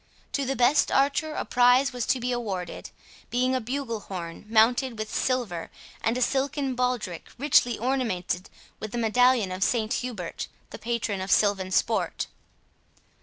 To the best archer a prize was to be awarded, being a bugle horn, mounted with silver, and a silken baldric richly ornamented with a medallion of St Hubert, the patron of silvan sport.